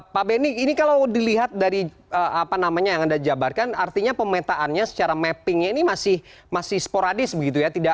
pak benny ini kalau dilihat dari apa namanya yang anda jabarkan artinya pemetaannya secara mappingnya ini masih sporadis begitu ya